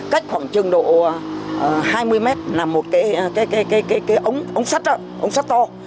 cách khoảng chừng độ hai mươi mét nằm một cái ống sắt đó ống sắt to